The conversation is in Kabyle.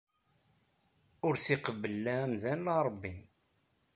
Ur t-iqebbel la amdan la Rebbi.